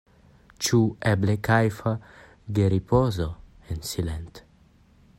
Ĉu eble kajfa geripozo en silent?